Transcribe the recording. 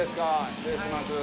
失礼します。